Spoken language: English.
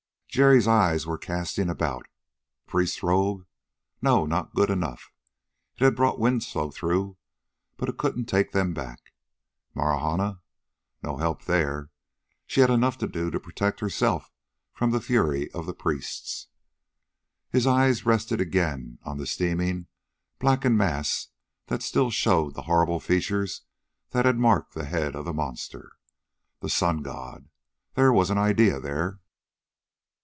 Jerry's eyes were casting about. The priest's robe? No, not good enough. It had brought Winslow through, but it couldn't take them back. Marahna? No help there: she had enough to do to protect herself from the fury of the priests. His eyes rested again on the steaming, blackened mass that still showed the horrible features that had marked the head of the monster. The sun god! There was an idea there.